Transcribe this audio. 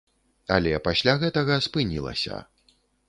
Але пасля гэтага спынілася.